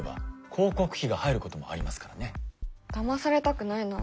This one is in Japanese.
だまされたくないな。